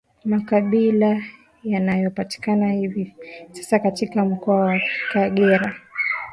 Makabila yanayopatikana hivi sasa katika mkoa wa Kagera